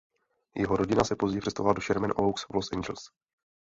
Jeho rodina se později přestěhovala do Sherman Oaks v Los Angeles.